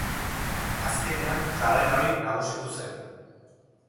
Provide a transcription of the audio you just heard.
Azkenean, jarrera hori nagusitu zen.